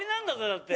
だって。